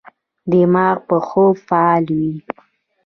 دماغ په خوب فعال وي.